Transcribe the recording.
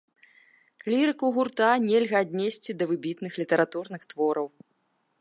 Лірыку гурта нельга аднесці да выбітных літаратурных твораў.